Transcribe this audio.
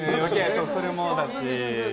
それもだし。